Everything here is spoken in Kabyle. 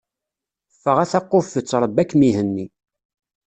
Ffeɣ a taqufet, Ṛebbi ad kem-ihenni.